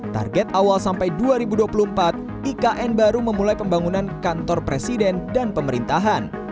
target awal sampai dua ribu dua puluh empat ikn baru memulai pembangunan kantor presiden dan pemerintahan